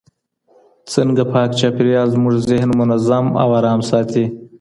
څنګه پاک چاپېریال زموږ ذهن منظم او ارام ساتي؟